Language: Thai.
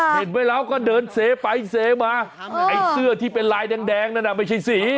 เห็นไหมแล้วก็เดินเซไปเซมาไอ้เสื้อที่เป็นลายแดงนั่นน่ะไม่ใช่สี